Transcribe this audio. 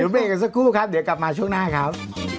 เบรกกันสักครู่ครับเดี๋ยวกลับมาช่วงหน้าครับ